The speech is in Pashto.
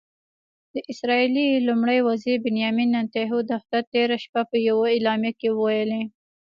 د اسرائیلي لومړي وزیر بنیامن نتنیاهو دفتر تېره شپه په یوه اعلامیه کې ویلي